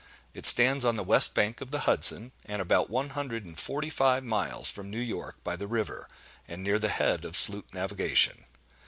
It stands on the west bank of the Hudson, and about one hundred and forty five miles from New York by the river, and near the head of sloop navigation.